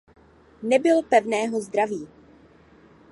Nebyl pevného zdraví.